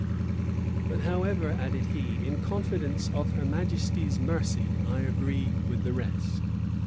"But however," added he, "in confidence of her majesty's mercy, I agree with the rest."